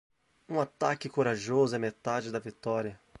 Um ataque corajoso é metade da vitória.